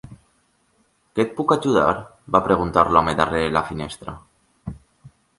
"Que et puc ajudar?", va preguntar l'home darrere la finestra.